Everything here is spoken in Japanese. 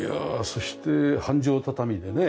そして半畳畳でね。